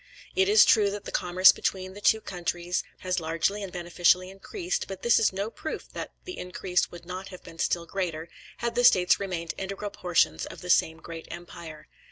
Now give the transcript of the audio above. It is true that the commerce between the two countries has largely and beneficially increased; but this is no proof that the increase would not have been still greater, had the States remained integral portions of the same great empire.